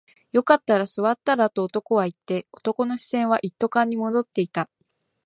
よかったら座ったらと男は言って、男の視線は一斗缶に戻っていた